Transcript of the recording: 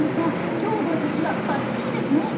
今日覚えた手話バッチリですね！